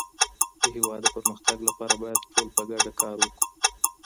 د هېواد د پرمختګ لپاره باید ټول په ګډه کار وکړو.